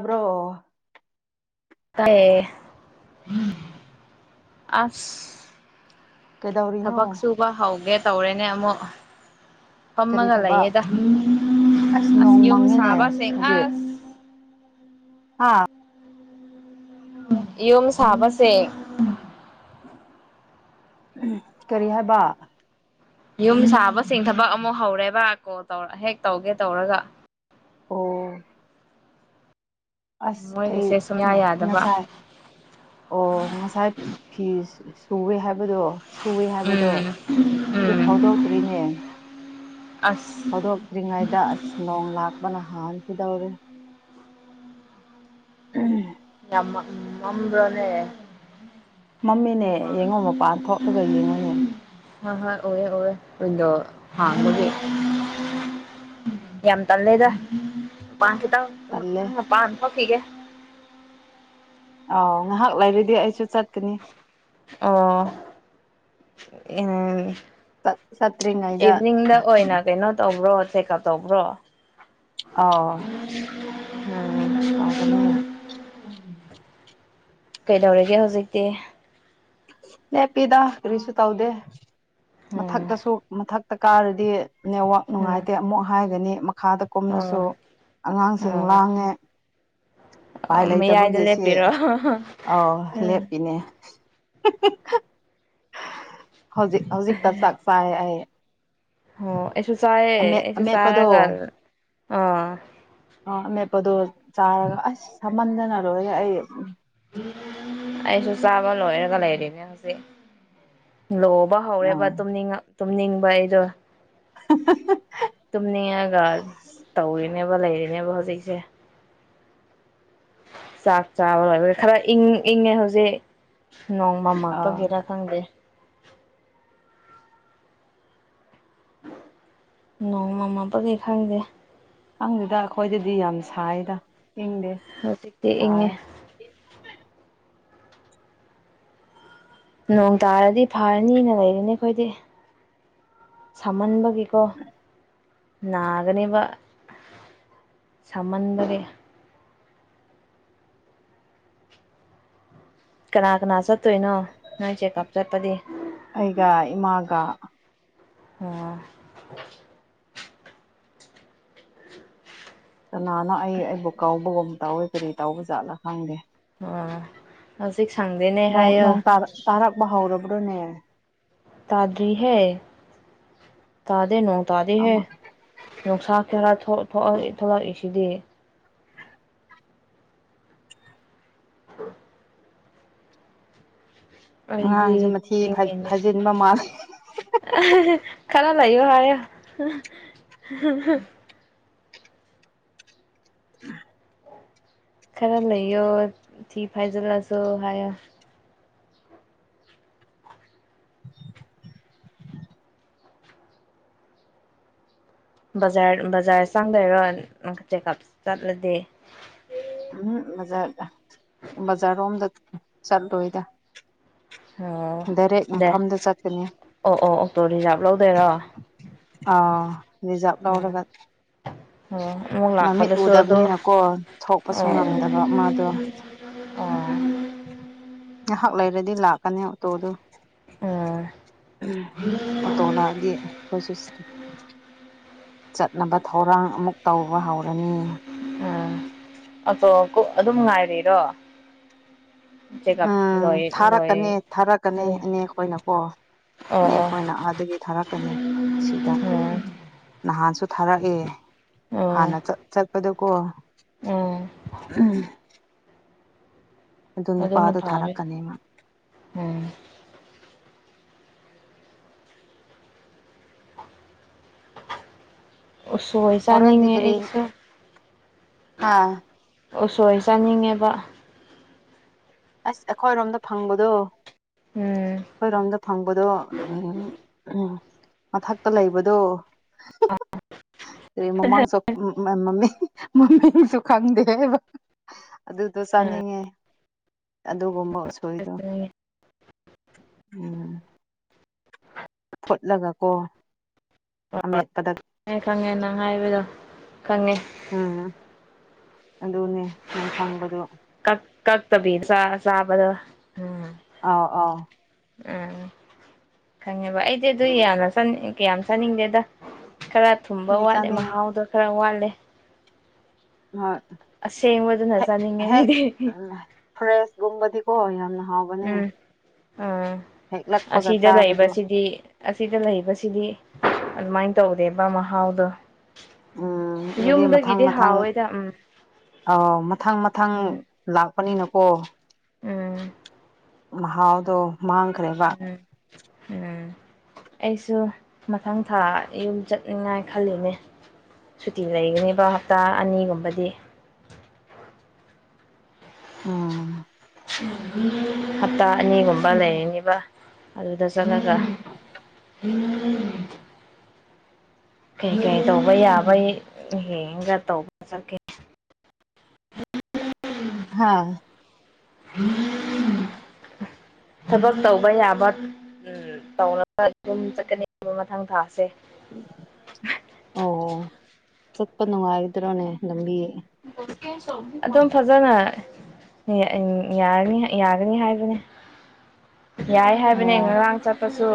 ꯍ꯭ꯔꯣ ꯇ ꯑꯁ ꯀꯩꯗꯧꯔꯤꯅꯣ ꯊꯕꯛ ꯁꯨꯕ ꯍꯧꯒꯦ ꯇꯧꯔꯦꯅꯦ ꯑꯃꯨꯛ ꯀꯔꯤ ꯐꯝꯃꯒ ꯊꯕꯛ ꯂꯩꯌꯦꯦꯗ ꯑꯁ ꯌꯨꯝ ꯁꯥꯕꯁꯦ ꯑꯁ ꯑꯥ ꯌꯨꯝ ꯁꯥꯕꯁꯦ ꯎ ꯀꯔꯤ ꯍꯥꯏꯕ ꯌꯨꯝ ꯁꯥꯕꯁꯤꯡ ꯊꯕꯛ ꯑꯃꯨꯛ ꯍꯧꯔꯦꯕ ꯀꯣ ꯇꯧꯔ ꯍꯦꯛ ꯇꯧꯒꯦ ꯇꯧꯔꯒ ꯑꯣ ꯑꯁ ꯑꯩ ꯃꯣꯏꯒꯤꯁꯦ ꯁꯨꯡꯌꯥ ꯌꯥꯗꯕ ꯉꯁꯥꯏ ꯑꯣ ꯉꯁꯥꯏ ꯐꯤ ꯁꯨꯋꯦ ꯍꯥꯏꯕꯗꯣ ꯁꯨꯌꯦ ꯍꯥꯏꯕꯗꯣ ꯎꯝ ꯑꯗꯨ ꯎꯝ ꯐꯥꯎꯗꯣꯛꯇ꯭ꯔꯤꯅꯦ ꯑꯁ ꯍꯧꯗꯣꯛꯇ꯭ꯔꯤꯉꯩꯗ ꯑꯁ ꯅꯣꯡ ꯂꯥꯛꯄꯅ ꯍꯥꯟꯈꯤꯗꯧꯔꯦ ꯎꯝ ꯃꯝꯕ꯭ꯔꯣꯅꯦ ꯃꯝꯃꯤꯅꯦ ꯑ ꯌꯦꯡꯉꯣ ꯃꯄꯥꯟ ꯊꯣꯛꯂꯒ ꯌꯦꯡꯉꯨꯅꯦ ꯍ ꯍ ꯑꯣꯦ ꯑꯣꯦꯗꯣ ꯍꯥꯡꯒꯤ ꯌꯥꯝ ꯇꯥꯟ ꯂꯩꯦꯗ ꯄꯥꯟꯁꯤꯗ ꯇꯜꯂꯦ ꯄ ꯐꯈꯤꯒꯦ ꯑꯥꯎ ꯉꯥꯏꯍꯥꯛ ꯂꯩꯔꯗꯤ ꯑꯩꯁꯨ ꯆꯠꯀꯅꯤ ꯑꯣ ꯎꯝ ꯆꯠꯇ꯭ꯔꯤꯉꯩꯗ ꯏꯚꯅꯤꯡꯗ ꯑꯣꯏꯅ ꯀꯩꯅꯣ ꯇꯧꯕ꯭ꯔꯣ ꯆꯦꯛꯑꯞ ꯇꯧꯕ꯭ꯔꯣ ꯑꯥꯎ ꯇꯧꯕꯅꯦ ꯎꯝ ꯀꯩꯗꯧꯔꯒꯦ ꯍꯧꯖꯤꯛꯇꯤ ꯅꯦꯄꯤꯗ ꯀꯔꯤꯁꯨ ꯇꯧꯗꯦ ꯎꯝ ꯃꯊꯛꯇꯁꯨ ꯃꯊꯛ ꯇ ꯀꯥꯔꯗꯤ ꯅꯦꯠꯋꯥꯛ ꯎꯝ ꯅꯨꯡꯉꯥꯏꯇꯦ ꯑꯃꯨꯛ ꯍꯥꯏꯒꯅꯤ ꯈꯥꯗ ꯀꯨꯝꯅꯁꯨ ꯑꯣ ꯑꯉꯥꯡꯁꯤꯡ ꯑꯣ ꯂꯥꯡꯉꯦ ꯎꯄꯥꯏ ꯃꯌꯥꯏꯗ ꯂꯩꯇꯕꯒꯤ ꯁꯤ ꯂꯦꯞꯄꯤꯔꯣ ꯑꯥꯎ ꯎꯝ ꯂꯦꯞꯄꯤꯅꯦ ꯍꯧꯖꯤꯛ ꯍꯧꯖꯤꯛꯇ ꯆꯥꯛ ꯆꯥꯏ ꯑꯩ ꯑꯣ ꯑꯩꯁꯨ ꯆꯑꯦ ꯑꯃꯦꯠ ꯑꯦꯁꯨ ꯑꯃꯦꯠꯄꯗꯣ ꯆꯒꯔ ꯑ ꯆꯛꯄꯗꯣ ꯆꯥꯔꯒ ꯑꯁ ꯁꯝꯃꯟꯗꯅ ꯂꯣꯏꯔꯦ ꯑꯩ ꯑꯩꯁꯨ ꯆꯥꯕ ꯂꯣꯏꯔꯒ ꯂꯩꯔꯤꯅꯦ ꯍꯧꯖꯤꯛ ꯂꯣꯕ ꯍꯧꯔꯦꯕ ꯑꯥ ꯇꯨꯝꯅꯤꯡ ꯇꯨꯝꯅꯤꯡꯕ ꯑꯩꯗꯣ ꯇꯨꯝꯅꯤ ꯌꯥꯒ ꯇꯧꯔꯤꯅꯦ ꯂꯩꯔꯤꯅꯦꯕ ꯍꯧꯖꯤꯛꯁꯦ ꯆꯥꯛ ꯆꯥꯕ ꯑꯣꯏꯕ ꯈꯔ ꯏꯪ ꯏꯪꯉꯦ ꯍꯧꯖꯤꯛ ꯑꯥ ꯅꯣꯡꯃꯝꯃꯄꯒꯤꯔꯥ ꯈꯪꯗꯦ ꯅꯣ ꯃꯃꯥꯄꯥꯒꯤ ꯈꯪꯗꯦ ꯈꯪꯗꯦꯗ ꯑꯩꯈꯣꯏꯗꯗꯤ ꯌꯥꯝ ꯁꯥꯏꯗ ꯏꯪꯗꯦ ꯍꯧꯖꯤꯛꯇꯤ ꯁꯥꯏ ꯏꯪꯑꯦ ꯅꯣꯡ ꯇꯥꯔꯗꯤ ꯐꯔꯅꯤꯅ ꯂꯩꯔꯅꯤ ꯑꯩꯈꯣꯏꯗꯤ ꯁꯥꯃꯟꯕꯒꯤ ꯀꯣ ꯅꯥꯒꯅꯤꯕ ꯁꯃꯟꯗꯒꯤ ꯀꯅꯥ ꯀꯅꯥ ꯆꯠꯇꯣꯏꯅꯣ ꯅꯪ ꯆꯦꯛꯑꯞ ꯆꯠꯄꯗꯤ ꯑꯩꯒ ꯏꯃꯥꯒ ꯑꯣ ꯀꯅꯥꯅꯣ ꯑꯩ ꯑꯩꯕꯨ ꯀꯥꯎꯕꯒꯨꯝ ꯇꯥꯎꯋꯤ ꯀꯔꯤ ꯇꯥꯎꯕ ꯖꯥꯠꯂꯥ ꯈꯪꯗꯦ ꯑ ꯍꯧꯖꯤ ꯁꯥꯡꯪꯗꯅꯦ ꯍꯥꯏ ꯃꯍ ꯍꯧꯥꯎꯔꯕ꯭ꯔꯣꯅꯦ ꯇꯥꯗꯔꯤ ꯍꯦ ꯇꯥꯗꯦ ꯅ ꯇꯥꯗꯤꯍꯦ ꯑꯃ ꯅꯨꯡꯁꯥ ꯈꯔ ꯊꯣꯛꯂꯛꯏꯁꯤꯗꯤ ꯎ [inaudible] ꯑꯩꯗꯤ ꯑꯉꯥꯡꯁꯦ ꯃꯊꯤ ꯇꯨꯝꯅꯤꯡꯉꯦꯅꯦ ꯐꯥꯏꯖꯤꯟꯕ ꯃꯥꯜꯂꯦ ꯈꯔ ꯂꯩꯑꯣ ꯍꯥꯏ [inaudible] ꯈꯔ ꯂꯩꯌꯣ ꯊꯤ ꯐꯥꯏꯖꯤꯜꯂꯁꯨ ꯍꯥꯏꯌꯣ ꯕꯖꯔ ꯕꯖꯥꯔ ꯆꯪꯗꯣꯏꯔꯣ ꯆꯦꯛꯀꯞ ꯆꯠꯂꯗꯤ ꯎꯝꯖꯥꯔꯗ [inaudible] ꯕꯖꯥꯔꯔꯣꯝꯗ ꯆꯠꯂꯣꯏꯗ ꯑꯣ ꯗꯥꯏꯔꯦꯛ ꯗꯦ ꯃꯐꯝꯗ ꯆꯠꯀꯅꯤ ꯑꯣ ꯑꯣ ꯑꯣꯛꯇꯣ ꯔꯤꯖꯥꯚ ꯂꯧꯗꯣꯏꯔꯣ ꯑꯥ ꯔꯤꯖꯥꯚ ꯎꯝ ꯂꯧꯔꯒ ꯑꯣ ꯑꯃꯨꯛ ꯃꯃꯤꯠ ꯂꯥꯛꯄꯗꯁꯨ ꯑꯗꯣ ꯎꯗꯕꯅꯤꯅꯀꯣ ꯊꯣꯛꯄꯁꯨ ꯑꯣ ꯉꯝꯗꯕ ꯃꯥꯗꯣ ꯑꯣ ꯉꯥꯏꯍꯥꯛ ꯂꯩꯔꯗꯤ ꯂꯥꯛꯀꯅꯤ ꯑꯣꯇꯣꯗꯨ ꯎꯝ ꯎꯝ [unintelligible] ꯆꯠꯅꯥꯕꯥ ꯊꯧꯔꯥꯡ ꯑꯃꯨꯛ ꯇꯧꯕ ꯍꯧꯔꯅꯤ ꯑꯀꯣ ꯑꯗꯨꯝ ꯉꯥꯏꯔꯤꯔꯣ ꯆꯦꯛꯑꯞ ꯎꯝ ꯂꯣꯏ ꯊꯥꯔꯛꯀꯅꯤ ꯂꯣꯏ ꯊꯥꯔꯛꯀꯅꯤ ꯑꯗꯣ ꯑꯦꯅꯦ ꯑꯩꯈꯣꯏꯅꯀꯣ ꯑꯣ ꯑꯣ ꯅꯈꯣꯏꯅꯥ ꯑꯥꯗꯒꯤ ꯊꯥꯔꯛꯀꯅꯤ ꯁꯤꯗ ꯎꯝ ꯅꯍꯥꯟꯁꯨ ꯊꯥꯔꯛꯑꯦ ꯑꯣ ꯍꯥꯟꯅ ꯆꯠꯄꯗꯀꯣ ꯎꯝ ꯎꯝ ꯑꯗꯨ ꯑꯗꯨꯅ ꯅꯨꯄꯥꯗꯣ ꯐꯔꯦ ꯊꯥꯔꯛꯀꯅꯤ ꯃꯥ ꯎꯝ ꯎꯁꯣꯏ ꯆꯥꯅꯤꯡꯉꯦ ꯑꯩꯁꯨ ꯑꯥ ꯎꯁꯣꯏ ꯆꯥꯅꯤꯡꯉꯦꯕ ꯑꯁ ꯑꯩꯈꯣꯏꯔꯣꯝꯗ ꯐꯪꯕꯗꯣ ꯎꯝ ꯑꯩꯈꯣꯏꯔꯣꯝꯗ ꯐꯪꯕꯗꯣ ꯎꯝ ꯎꯝ ꯃꯊꯛꯇ ꯂꯩꯕꯗꯣ ꯃꯃꯥ ꯁ [inaudible] ꯃꯃꯤꯁꯨ ꯈꯥꯡꯅꯤꯡꯗꯦ ꯑꯗꯨꯗꯣ ꯆꯥꯅꯤꯡꯉꯦ ꯑꯗꯨꯒꯨꯝꯕ ꯎꯁꯣꯏꯗꯣ ꯎꯝ ꯎꯝ ꯐꯣꯠꯂꯒ ꯀꯣ ꯑꯃꯦꯠꯄꯗ ꯍꯣꯏꯍꯣꯏ ꯈꯪꯉꯦ ꯅꯪ ꯍꯥꯏꯕꯗꯣ ꯈꯪꯉꯦ ꯎꯝ ꯑꯗꯨꯅꯦ ꯅꯪ ꯈꯪꯕꯗꯣ ꯀꯛ ꯀꯛꯇꯕꯤ ꯆꯥꯕꯗ ꯎꯝ ꯑ ꯑ [inaudible] ꯎꯝ ꯈꯪꯉꯦꯕ ꯑꯩꯗꯤ ꯑꯗꯨ ꯌꯥꯝꯅꯅꯤꯡ ꯀꯌꯥꯝ ꯆꯥꯅꯤꯡꯗꯦꯗ ꯈꯔ ꯊꯨꯝꯕ ꯑꯗꯨꯗꯤ ꯋꯥꯠꯂꯦ ꯆꯥꯅꯤꯡꯉꯦ ꯃꯍꯥꯎꯗꯣ ꯈꯔ ꯋꯥꯠꯂꯦ ꯍꯣꯏ ꯑꯁꯦꯡꯕꯗꯨꯅ ꯍꯦꯛ ꯆꯥꯅꯤꯡꯉꯦ ꯍꯦꯛ ꯑꯩꯗꯤ ꯐ꯭ꯔꯦꯁꯒꯨꯝꯕꯗꯤꯀꯣ ꯍꯥꯎꯕꯅꯦ ꯎꯝ ꯍꯦꯛꯂꯛꯄꯒ ꯑꯁꯤꯗ ꯆꯥꯕꯗꯣ ꯂꯩꯕꯁꯤꯗꯤ ꯑꯁꯤꯗ ꯂꯩꯕꯁꯤꯗꯤ ꯑꯗꯨꯃꯥꯏꯅ ꯇꯧꯗꯦꯕ ꯃꯍꯥꯎꯗꯣ ꯎꯝ ꯑꯗꯨꯗꯤ ꯃꯊꯪ ꯌꯨꯝꯗꯒꯤꯗꯤ ꯃꯊꯪ ꯍꯥꯎꯋꯦꯗ ꯎꯝ ꯑꯥꯎ ꯃꯊꯪ ꯃꯊꯪ ꯎꯝ ꯂꯥꯛꯄꯅꯤꯅꯀꯣ ꯎꯝ ꯍꯥꯎꯗꯣ ꯎꯝ ꯎꯝ ꯑꯩꯁꯨ ꯃꯊꯪ ꯊꯥ ꯌꯨꯝ ꯆꯠꯅꯤꯡꯉꯥꯏ ꯈꯜꯂꯤꯅꯦ ꯁꯨꯇꯤ ꯂꯩꯒꯅꯦꯕ ꯍꯞꯇꯥ ꯑꯅꯤꯒꯨꯝꯕꯗꯤ ꯑꯥ [inaudible] ꯍꯞꯇꯥ ꯑꯅꯤꯒꯨꯝꯕ ꯂꯩꯔꯤꯅꯤꯕ ꯑꯗꯨꯗ ꯆꯠꯉꯒ ꯎꯝ ꯀꯩꯀꯩ ꯇꯧꯕ ꯌꯥꯕ ꯌꯦꯡꯒ ꯇꯧꯕ ꯆꯠꯀꯦ ꯍꯥꯥ [inaudible] ꯊꯕꯛ ꯇꯧꯕ ꯌꯥꯕ ꯇꯧꯅꯕ ꯑꯗꯨꯝ ꯆꯠꯀꯅꯤ ꯃꯊꯪ ꯊꯥꯁꯦ ꯑꯣ ꯆꯠꯄ ꯅꯨꯡꯉꯥꯏꯗ꯭ꯔꯣꯅꯦ ꯂꯝꯕꯤ ꯑꯗꯨꯝ ꯐꯖꯅ ꯝ [unintelligible] ꯌꯥꯔꯅꯤ ꯌꯥꯒꯅꯤ ꯍꯥꯏꯕꯅꯦ [unintelligible] [inaudible] ꯌꯥꯏ ꯑꯣ ꯍꯥꯏꯕꯅꯦ ꯉꯔꯥꯡ ꯆꯠꯄꯁꯨ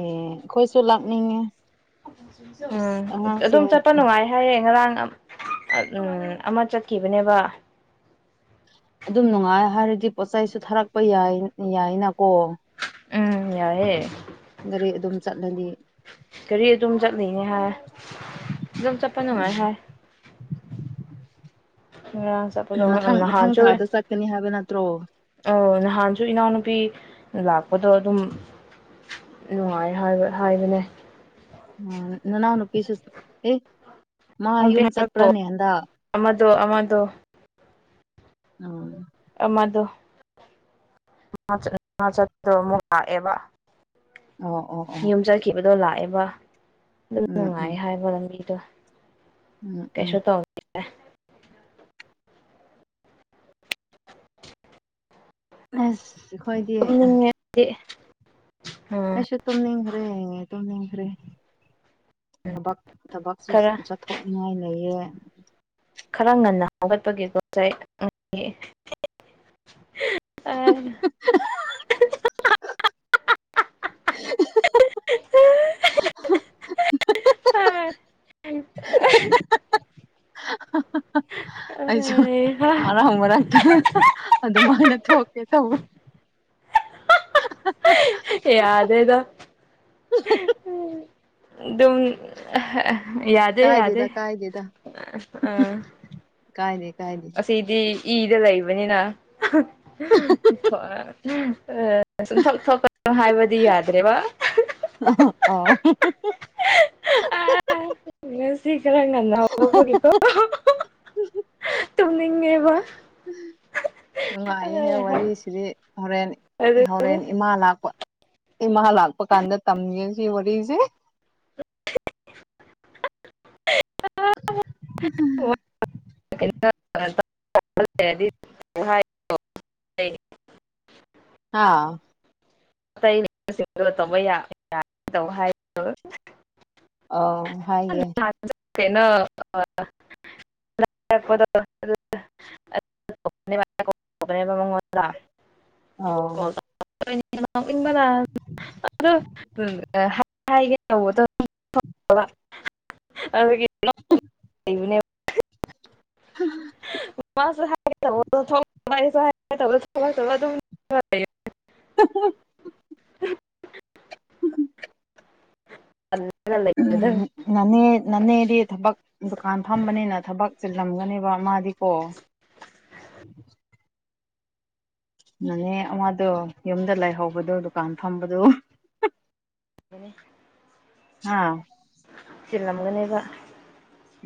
ꯑꯦ ꯑꯩꯈꯣꯏꯁꯨ ꯂꯥꯛꯅꯤꯡꯉꯦ ꯑꯁ ꯎꯝ ꯑꯗꯨꯝ ꯑꯉꯥꯡꯁꯤꯡ ꯆꯠꯄ ꯅꯨꯡꯉꯥꯏ ꯍꯥꯏꯌꯦ ꯉꯔꯥꯡ ꯎꯝ ꯑꯃ ꯆꯠꯈꯤꯕꯅꯦꯕ ꯑꯗꯨꯝ ꯅꯨꯡꯉꯥꯏ ꯍꯥꯏꯔꯗꯤ ꯄꯣꯠꯆ ꯆꯩꯁꯨ ꯊꯥꯔꯛꯄ ꯌꯥꯏ ꯌꯥꯏꯅ ꯀꯣ ꯎꯝ ꯌꯥꯏꯌꯦ ꯒꯥꯔꯤ ꯑꯗꯨꯝ ꯆꯠꯂꯅꯤ ꯒꯥꯔꯤ ꯑꯗꯨꯝ ꯆꯠꯂꯤꯅꯦ ꯍꯥꯏ ꯑꯗꯨꯝ ꯆꯠꯄ ꯎꯝ ꯅꯨꯡꯉꯥꯏ ꯍꯥꯏ ꯄꯣ ꯑ ꯃꯊꯪ ꯃꯊꯪ ꯅꯍꯥꯟꯁꯨ ꯊꯥꯗ ꯆꯠꯀꯅꯤ ꯍꯥꯏꯕ ꯅꯠꯇ꯭ꯔꯣ ꯑ ꯅꯍꯥꯟꯁꯨ ꯏꯅꯥꯎꯅ ꯅꯨꯄꯤ ꯂꯥꯛꯄꯗꯣ ꯑꯗꯨꯝ ꯅꯨꯡꯉꯥꯏꯕ ꯍꯥꯏꯕꯅꯦ ꯅꯅꯥꯎꯅ ꯅꯨꯄꯤꯁꯨ ꯑꯦ ꯃꯥ ꯌꯨꯝ ꯆꯠꯄ꯭ꯔꯅꯦ ꯍꯟꯗ ꯗꯣ ꯑꯃꯥꯡꯗ ꯑ [inaudible] ꯃꯗꯨ ꯆꯠꯨ ꯂꯥꯛꯑꯦꯕ ꯑꯣ ꯑꯣ ꯑꯣ [inaudible] ꯑꯗꯣ ꯂꯥꯛꯑꯦꯕ ꯑꯗꯨ ꯎꯝ ꯎꯝ ꯅꯨꯡꯉꯥꯏ ꯍꯥꯏꯕ ꯂꯝꯕꯤꯗꯣ ꯎꯝ ꯎꯝ [inaudible] ꯑꯦ ꯑꯁ ꯑꯩꯈꯣꯏꯗꯤ ꯇꯨꯝꯅꯤꯡꯉꯦ ꯑꯩꯗꯤ ꯎꯝ ꯑꯩꯁꯨ ꯇꯨꯝꯅꯤꯡꯈ꯭ꯔꯦ ꯇꯨꯝꯅꯤꯡꯈ꯭ꯔꯦ ꯊꯕꯛ ꯊꯕꯛꯁꯨ ꯈꯔ ꯆꯠꯊꯣꯛꯅꯤꯡꯉꯥꯏ ꯂꯩꯌꯦ ꯈꯔ ꯉꯟꯅ ꯍꯥꯞꯒꯠꯄꯒꯤꯦꯀꯣ ꯉꯁꯥꯏ ꯑ [inaudible] ꯍ ꯑ ꯑꯩꯁꯨ ꯃꯔꯔꯥꯡ ꯃꯔꯔꯥꯡ ꯑꯗ ꯃꯥꯅ ꯊꯣꯛꯀꯦ ꯇꯧꯋ ꯌꯥꯗꯦꯗ ꯑꯗꯨꯝ ꯌꯥꯗꯦ ꯀꯥꯏꯗꯦꯗ ꯌꯥꯗꯦ ꯑ ꯀꯥꯏꯅꯦ ꯑꯁꯤꯗꯤ ꯏꯗ ꯂꯩꯕꯅꯤꯅ ꯁꯨꯝ ꯊꯣꯛ ꯊꯣꯛꯄ ꯍꯥꯏꯕꯗꯤ ꯌꯥꯗ꯭ꯔꯦꯕ ꯑꯣ [unintelligible] ꯉꯁꯤ ꯈꯔ ꯉꯟꯅꯕꯀꯣ ꯇꯨꯝꯅꯤꯡꯉꯦꯕ ꯅꯨꯡꯉꯥꯏꯍꯦꯛ ꯋꯥꯔꯤꯁꯤꯗꯤ ꯍꯣꯔꯦꯟ ꯑꯗꯨ ꯍꯣꯔꯦꯟ ꯏꯃꯥ ꯂꯥꯛꯄ ꯏꯃ ꯂꯥꯛꯄ ꯀꯥꯟꯗꯔ ꯇꯝ ꯁꯤ ꯋꯥꯔꯤꯔꯔꯤꯁꯦ ꯎ ꯎꯝ [unintelligible] ꯍ ꯑꯥ ꯑꯇꯩ ꯇꯧꯕ ꯇ ꯍꯥꯏ ꯑꯥꯎ [unintelligible] ꯅ ꯂ ꯑ ꯑ ꯍꯥꯏꯒꯦ ꯇꯧꯕꯗ ꯑꯗꯨꯒꯤ ꯂꯩꯅꯦꯕ ꯃꯥ ꯍꯥꯏ ꯍꯥꯏ ꯊ ꯑꯗꯨ [unintelligible] ꯇꯜꯂꯒ ꯎ ꯂꯩꯕꯗꯣ ꯅꯅꯦ ꯅꯅꯦꯗꯤ ꯊꯕꯛ ꯗꯨꯀꯥꯟ ꯐꯝꯕꯅꯤꯅ ꯊꯕꯛ ꯆꯤꯜꯂꯝꯒꯅꯦꯕ ꯃꯥꯗꯤꯀꯣ ꯅꯅꯦ ꯃꯥꯗꯣ ꯌꯨꯝꯗ ꯂꯩꯥꯏꯍꯧꯕꯗꯣ ꯗꯨꯀꯥꯟ ꯐꯝꯕꯗꯨꯣ ꯑꯗꯨꯅꯤ ꯑꯥ ꯁꯤꯜꯂꯝꯒꯅꯦꯕ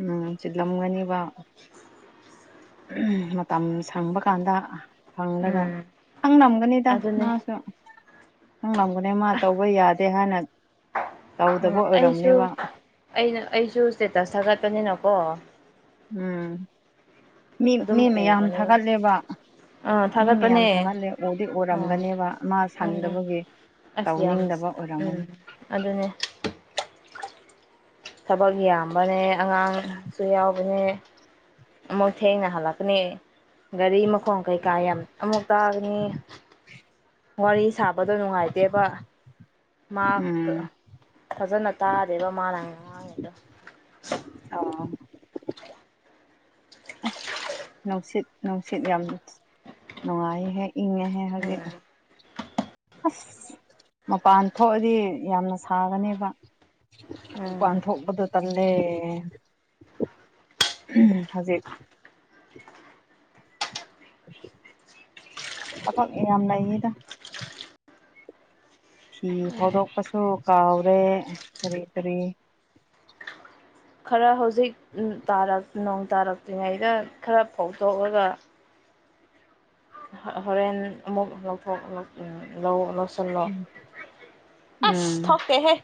ꯎꯝ ꯆꯤꯜꯂꯝꯒꯅꯤꯕ ꯃꯇꯝ ꯁꯪꯕ ꯀꯥꯟꯗ ꯍꯪꯂꯒ ꯎꯝ ꯈꯪ ꯅꯝꯒꯅꯤꯗ ꯑꯗꯨꯅꯦ ꯃꯥꯁꯨ ꯅꯪ ꯉꯒꯅꯦ ꯃꯥ ꯇꯧꯕ ꯌꯥꯗꯦ ꯍꯥꯏꯅ ꯎꯝ ꯇꯧꯗꯕ ꯑꯩꯁꯨ ꯑꯣꯏꯔꯝꯅꯦꯕ ꯑꯩꯅ ꯑꯩꯁꯨ ꯏꯁꯇꯦꯇꯁ ꯊꯥꯒꯠꯄꯅꯤꯅꯀꯣ ꯎꯝ ꯃꯤ ꯑꯗꯨꯝ ꯃꯤ ꯃꯌꯥꯝ ꯎꯕꯅꯦꯕ ꯊꯥꯒꯠꯂꯦꯕ ꯑꯥ ꯃꯤ ꯃꯌꯥꯝ ꯊꯥꯒꯠꯄꯅꯦ ꯊꯥꯒꯠꯂꯦ ꯎꯗꯤ ꯎꯝ ꯑꯣꯏꯔꯝꯒꯅꯦꯕ ꯃꯥ ꯎꯝ ꯁꯪꯗꯕꯒꯤ ꯑꯁ ꯌꯥꯝ ꯇꯧꯅꯤꯡꯗꯕ ꯎꯝ ꯑꯣꯏꯔꯝꯒꯅꯤ ꯑꯗꯨꯅꯦ ꯊꯕꯛ ꯌꯥꯝꯕꯅꯦ ꯑꯉꯥꯡꯁꯨ ꯌꯥꯎꯕꯅꯦ ꯑꯃꯨꯛ ꯊꯦꯡꯅ ꯍꯜꯂꯛꯀꯅꯤ ꯒꯥꯔꯤ ꯃꯈ ꯈꯣꯡ ꯀꯩꯀꯥ ꯌꯥꯝ ꯑꯃꯨꯛ ꯇꯥꯒꯅꯤ ꯋꯥꯔꯤ ꯁꯥꯕꯗꯣ ꯅꯨꯡꯉꯥꯏꯇꯦꯕ ꯃꯍꯥꯛ ꯎꯝ ꯐꯖꯅ ꯇꯥꯗꯦꯕ ꯃꯥꯅ ꯉꯉꯥꯡꯉꯤꯗꯣ ꯑꯣ ꯑꯁ ꯅꯨꯡꯁꯤꯠ ꯅꯨꯡꯁꯤꯠ ꯌꯥꯝ ꯅꯨꯡꯉꯥꯏꯍꯦꯛ ꯏ ꯍꯦ ꯍꯧꯖꯤꯛ ꯎꯝ ꯑꯁ ꯃꯄꯥꯟ ꯊꯣꯛꯑꯗꯤ ꯌꯥꯝꯅ ꯁꯥꯒꯅꯦꯕ ꯎꯝ ꯥꯟꯊꯣꯛꯕꯗ ꯇꯂꯦ ꯍꯧꯖꯤꯛ ꯑꯄꯣ ꯌꯥꯝ ꯂꯩꯗ ꯐꯤ ꯐꯥꯎꯗꯣꯛꯄꯁꯨ ꯀꯥꯎꯔꯦ ꯀꯔꯤ ꯀꯔꯤ ꯈꯔ ꯍꯧꯖꯤꯛ ꯎ ꯇꯥꯔ ꯅꯣꯡ ꯇꯥꯔꯛꯇ꯭ꯔꯤꯉꯩꯗ ꯈꯔ ꯐꯧꯗꯣꯛꯑꯒ ꯍꯣꯔꯦꯟ ꯑꯃꯨꯛ ꯂꯧꯊꯣꯛ ꯂꯧ ꯂꯧꯁꯤꯜꯂꯣ ꯎꯝ ꯑꯁ ꯎꯝ ꯊꯀꯦ ꯍꯦ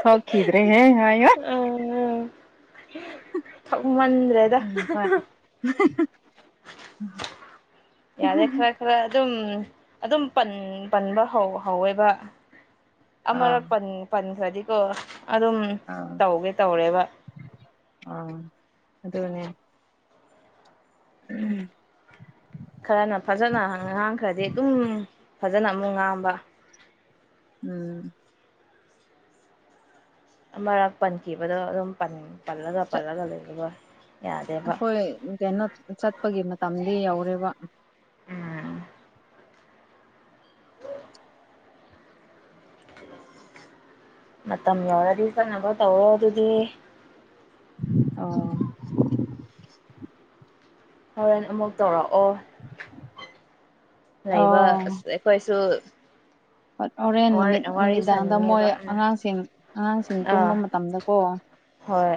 ꯊꯈꯤꯗ꯭ꯔꯦ ꯍꯦ ꯍꯥꯏꯣ ꯎꯝ ꯊꯛꯃꯟꯗ꯭ꯔꯦꯗ ꯎꯝ ꯈꯣꯏ ꯌꯥꯗꯦꯀ꯭ꯔ ꯑꯦꯀ꯭ꯔ ꯑꯗꯨꯝ ꯑꯗꯨꯝ ꯄꯟꯕ ꯍꯧꯋꯦꯕ ꯑꯔ ꯑꯥ ꯄꯟ ꯄꯟꯈ꯭ꯔꯗꯤꯀꯣ ꯑꯗꯨꯝ ꯑꯥ ꯇꯧꯒꯦ ꯇꯧꯔꯦꯕ ꯑꯗꯨꯗꯅ ꯎꯝ ꯈꯔꯅ ꯐꯖꯅ ꯑꯉꯥꯡ ꯈ꯭ꯔꯗꯤ ꯑꯗꯨꯝ ꯐꯖꯅ ꯑꯃꯨꯛ ꯉꯥꯡꯕ ꯎꯝ ꯑꯃꯔꯛ ꯄꯟꯈꯤꯕꯗꯣ ꯑꯗꯨꯝ ꯄꯜꯂꯒ ꯄꯜꯂꯒ ꯂꯩꯔ ꯍꯈꯣꯏ ꯀꯩꯅꯣ ꯆꯠꯄꯒꯤ ꯃꯇꯝꯗꯤ ꯌꯧꯔꯦꯕ ꯎꯝ ꯃꯇꯝ ꯌꯧꯔꯗꯤ ꯆꯠꯅꯕꯣ ꯇꯧꯔꯣ ꯑꯗꯨꯗꯤ ꯑ ꯍꯣꯔꯦꯟ ꯑꯃꯨꯛ ꯇꯧꯔꯛꯑꯣ ꯂꯩꯕ ꯑꯩꯈꯣꯏꯁꯨ ꯠ ꯍꯣꯔꯦꯟ ꯅꯨꯃꯤꯠ ꯋꯥꯔꯤ ꯅꯨꯃꯤꯗꯥꯡꯗ ꯃꯣꯏ ꯁꯥꯅꯤꯡꯉꯦꯕ ꯎꯝ ꯑꯉꯥꯡꯁꯤꯡ ꯑꯉꯥꯡꯁꯤꯡ ꯑꯥ ꯇꯨꯝꯕ ꯃꯇꯝꯗꯀꯣ ꯎ ꯍꯣꯏ